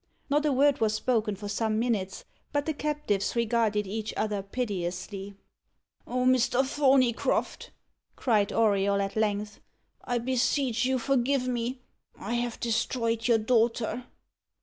Not a word was spoken for some minutes, but the captives regarded each other piteously. "Oh, Mr. Thorneycroft," cried Auriol, at length, "I beseech you forgive me. I have destroyed your daughter."